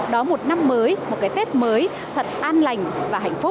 đón một năm mới một cái tết mới thật an lành và hạnh phúc